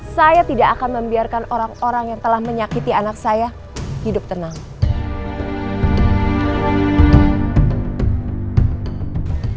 saya tidak akan membiarkan orang orang yang telah menyakiti anak saya hidup tenang